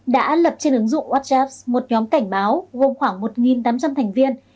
đã lập trên ứng dụng watch apps một nhóm cảnh báo gồm khoảng một tám trăm linh thành viên